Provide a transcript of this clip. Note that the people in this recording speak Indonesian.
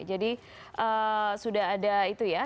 jadi sudah ada itu ya